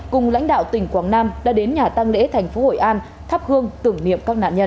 cùng lãnh đạo tỉnh quảng nam đã đến nhà tăng lễ thành phố hội an thắp hương tưởng niệm các nạn nhân